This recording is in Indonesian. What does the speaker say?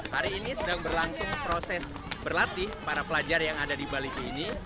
hari ini sedang berlangsung proses berlatih para pelajar yang ada di bali ini